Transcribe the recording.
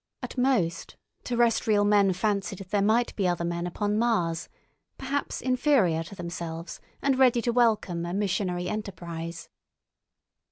At most terrestrial men fancied there might be other men upon Mars, perhaps inferior to themselves and ready to welcome a missionary enterprise.